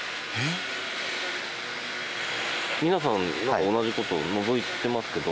皆さんなんか同じ事をのぞいてますけど。